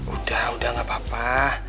udah udah gapapa